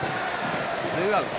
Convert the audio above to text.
ツーアウト。